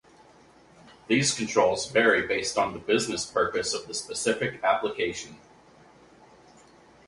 These controls vary based on the business purpose of the specific application.